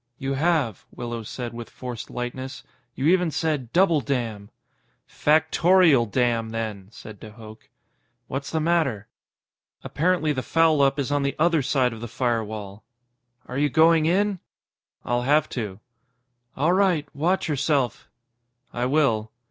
"You have," Willows said with forced lightness. "You even said 'double damn'." "Factorial damn, then!" said de Hooch. "What's the matter?" "Apparently the foul up is on the other side of the firewall." "Are you going in?" "I'll have to." "All right. Watch yourself." "I will."